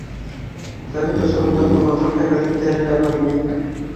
Совет осоронда туғандар ҡәберлектәре лә бар ине.